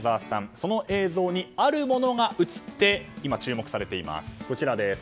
その映像にあるものが映って今、注目されています。